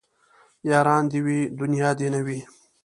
ياران دي وي دونيا دي نه وي